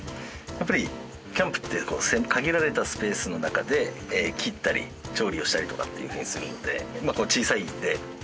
やっぱりキャンプって限られたスペースの中で切ったり調理をしたりとかっていうふうにするので小さいのでできるという。